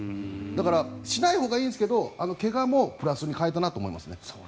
だからしないほうがいいんですけど怪我もプラスに変えたなと思いますね。